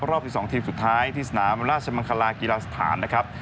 รอบ๑๒ทีมสุดท้ายที่สนามราชมังคลากีฬาสถานนะครับ